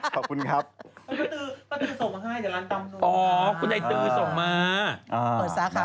ขอบคุณครับตั้งแต่ตือส่งมาให้แต่ร้านตำส่งมา